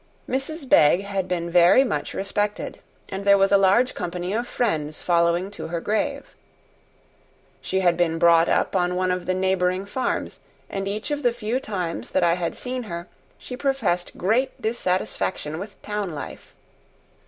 Mrs. Begg had been very much respected, and there was a large company of friends following to her grave. She had been brought up on one of the neighboring farms, and each of the few times that I had seen her she professed great dissatisfaction with town life.